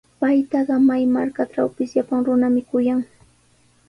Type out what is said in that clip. Paytaqa may markatrawpis llapan runami kuyan.